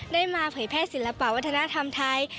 ได้มาเผยแพทย์ศิลปวัฒนาทำไทย